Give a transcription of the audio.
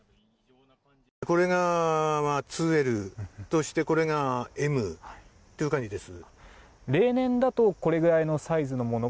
これが２ＬとしてこれがＭという感じです。